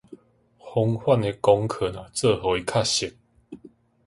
防範的工課若做予確實